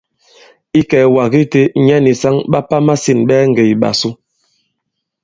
Ikɛ̀ɛ̀wàgàdi itē, nyɛ nì saŋ ɓa pà i masîn ɓɛɛ ŋgè ìɓàsu.